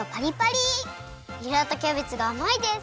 にらとキャベツがあまいです！